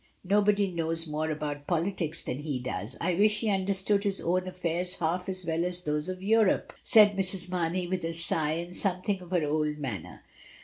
Nobody knows more about politics than he does; I wish he understood his own affairs half as well as those of Europe," said Mrs. Mamey, with a sigh and something of her old manner.